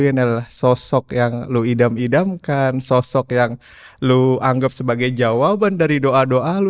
ini adalah sosok yang lo idam idamkan sosok yang lo anggap sebagai jawaban dari doa doa lu